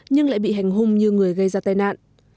nhưng lại bị hành hung như người gây ra tai nạn